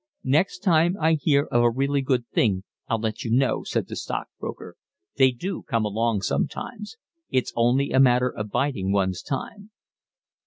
"Next time I hear of a really good thing I'll let you know," said the stockbroker. "They do come along sometimes. It's only a matter of biding one's time."